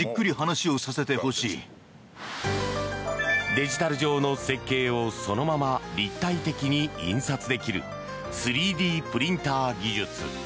デジタル上の設計をそのまま立体的に印刷できる３Ｄプリンター技術。